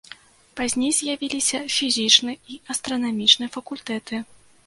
Пазней з'явіліся фізічны і астранамічны факультэты.